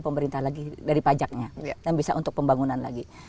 pemerintah lagi dari pajaknya dan bisa untuk pembangunan lagi